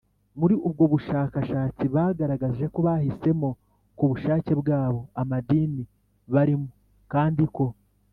muri ubwo bushakashatsi bagaragaje ko bahisemo ku bushake bwabo amadini barimo kandi ko